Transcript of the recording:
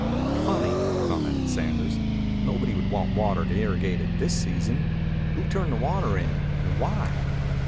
"Funny," commented Sanders. "Nobody would want water to irrigate at this season. Who turned the water in? And why?"